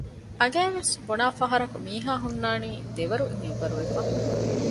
އަނގައިވެސް ބުނާފަހަރަކު މީހާހުންނާނީ ދެވަރުން އެއްވަރު ވެފަ